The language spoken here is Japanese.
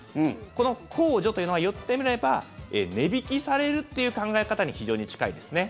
この控除というのが言ってみれば値引きされるという考え方に非常に近いですね。